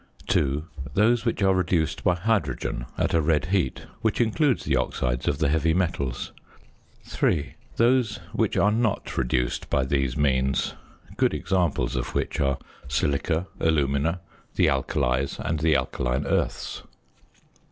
(2) Those which are reduced by hydrogen at a red heat, which includes the oxides of the heavy metals; (3) Those which are not reduced by these means, good examples of which are silica, alumina, the alkalies, and the alkaline earths.